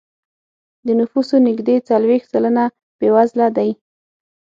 د نفوسو نږدې څلوېښت سلنه بېوزله دی.